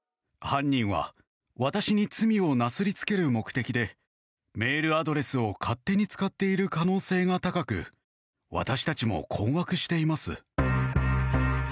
犯人は私に罪をなすりつける目的でメールアドレスを勝手に使っている可能性が高く私たちも困惑しています。